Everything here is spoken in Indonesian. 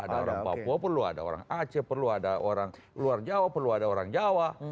ada orang papua perlu ada orang aceh perlu ada orang luar jawa perlu ada orang jawa